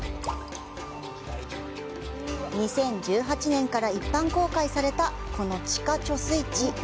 ２０１８年から一般公開されたこの地下貯水池。